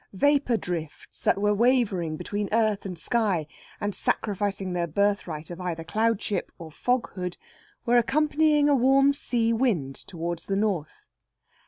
Vapour drifts that were wavering between earth and sky, and sacrificing their birthright of either cloudship or foghood, were accompanying a warm sea wind towards the north.